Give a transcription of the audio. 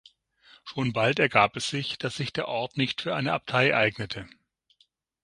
Schon bald ergab es sich, dass sich der Ort nicht für eine Abtei eignete.